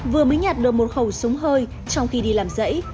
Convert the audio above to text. vừa mới nhặt được một khẩu súng hơi trong khi đi làm dãy